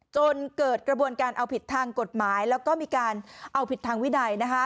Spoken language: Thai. จนเกิดกระบวนการเอาผิดทางกฎหมายแล้วก็มีการเอาผิดทางวินัย